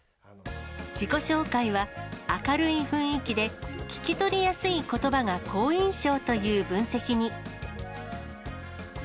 自己紹介は、明るい雰囲気で聞き取りやすいことばが好印象という分析に。